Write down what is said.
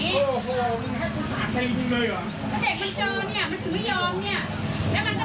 แต่หนูรู้ว่าลูกหนูที่ใส่เป็นอย่างนี้